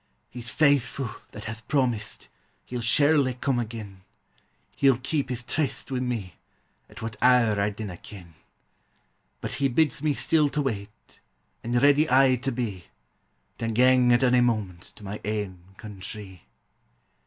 He 's faithfu' that hath promised, he '11 surely come again, He '11 keep his tryst wi' me, at what hour I dinna ken; But he bids me still to wait, an' ready aye to be, To gang at ony moment to my ain countree.